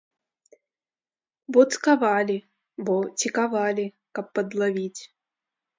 Бо цкавалі, бо цікавалі, каб падлавіць.